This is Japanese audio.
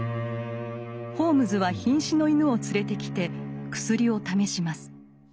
ホームズはひん死の犬を連れてきて薬を試します。